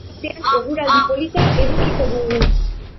Asteartean eguraldi polita edukiko dugu.